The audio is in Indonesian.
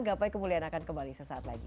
gapai kemuliaan akan kembali sesaat lagi